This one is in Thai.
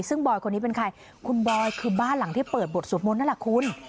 ซึ่งบอยคนนี้เป็นใครคุณบอยคือบ้านหลังที่เปิดบทสวดมนต์นั่นแหละคุณ